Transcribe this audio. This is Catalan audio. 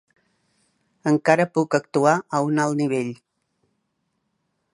Encara puc actuar a un alt nivell.